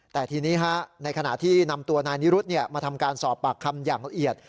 แต่ทีนี้ในขณะที่นำตัวนายนิรุธมาทำการสอบปากคำอย่างละเอียด